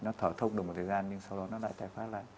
nó thở thông được một thời gian nhưng sau đó nó lại tài phát lại